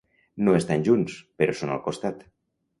No estan junts, però són al costat.